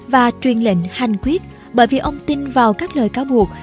và truyền lệnh hành quyết bởi vì ông tin vào các lời cáo buộc